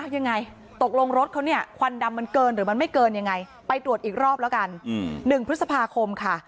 ยังไงตกลงรถเขาเนี่ยควันดำมันเกินหรือมันไม่เกินยังไงไปตรวจอีกรอบแล้วกัน๑พฤษภาคมค่ะ